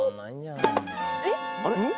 えっ？